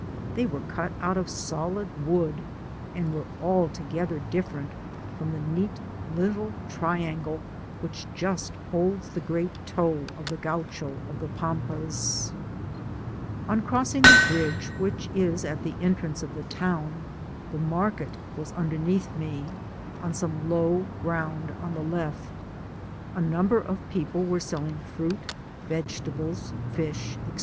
They were cut out of solid wood, and were alto gether different from the neat little triangle which just holds the great toe of the Gaucho of the Pampas. Digitized byGoogk THE GREAT CORDILLERA. 185 On crossing the bridge, which is at the entrance of tlie town, the market was underneath me, on some low ground on the left. A number of people were selling fruit, vegetables, fish, &c.